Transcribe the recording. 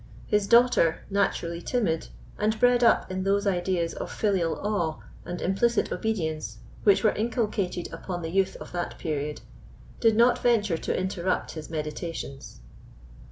His daughter, naturally timid, and bred up in those ideas of filial awe and implicit obedience which were inculcated upon the youth of that period, did not venture to interrupt his meditations.